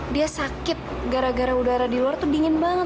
dia sakit gara gara udara di luar tuh dingin banget